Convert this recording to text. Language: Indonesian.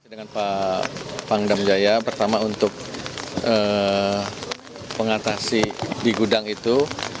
dengan pak pang damjaya pertama untuk pengatasi di gudang itu